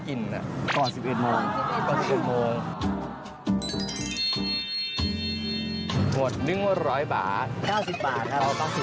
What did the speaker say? แค่ปวกกับหนูไม่อะไร